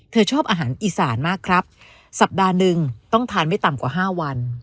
ชอบอาหารอีสานมากครับสัปดาห์หนึ่งต้องทานไม่ต่ำกว่าห้าวัน